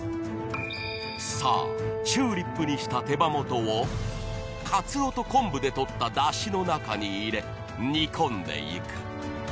［さあチューリップにした手羽元をカツオと昆布で取っただしの中に入れ煮込んでいく］